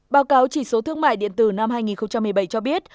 báo cáo chỉ số thương mại điện tử năm hai nghìn một mươi bảy cho biết